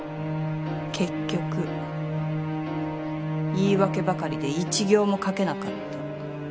結局言い訳ばかりで一行も書けなかった。